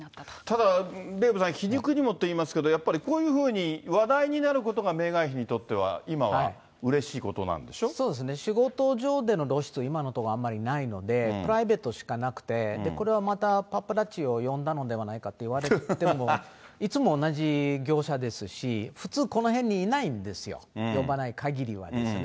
ただ、デーブさん、皮肉にもといいますけど、やっぱりこういうふうに話題になることがメーガン妃にとっては今そうですね、仕事上での露出、今のところないので、プライベートしかなくて、これはまたパパラッチを呼んだのではないかといわれても、いつも同じ業者ですし、普通、この辺にいないんですよ、呼ばないかぎりはですね。